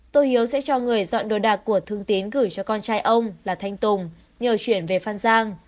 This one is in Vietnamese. tô hiếu sẽ cho người dọn đồ đạc của thương tín gửi cho con trai ông là thanh tùng nhờ chuyển về phan giang